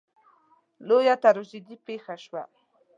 لویه تراژیدي پېښه شوه.